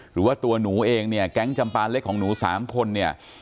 หรือว่าตัวหนูเองเนี่ยแก๊งจำปาเล็กของหนู๓คนเนี่ย